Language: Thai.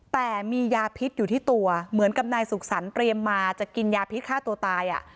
แต่มียาพิษอยู่ที่ตัวเหมือนกับนายสุขสรรคเตรียมมาจะกินยาพิษฆ่าตัวตาย